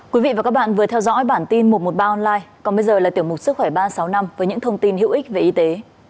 quý vị và các bạn vừa theo dõi bản tin một trăm một mươi ba online còn bây giờ là tiểu mục sức khỏe ba trăm sáu mươi năm với những thông tin hữu ích về y tế